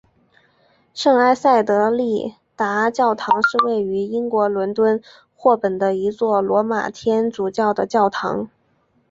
圣埃塞德丽达教堂是位于英国伦敦霍本的一座罗马天主教的教堂。